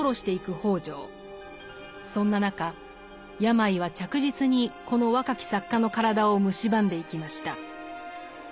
そんな中病は着実にこの若き作家の体をむしばんでいきました。